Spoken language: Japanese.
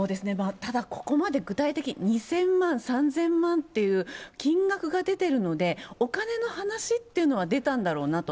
ただここまで具体的、２０００万、３０００万という金額が出てるので、お金の話っていうのは出たんだろうなと。